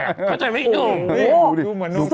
เข้าใจไหมนุ่ม